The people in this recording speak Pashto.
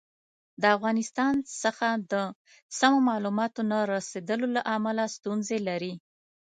د افغانستان څخه د سمو معلوماتو نه رسېدلو له امله ستونزې لري.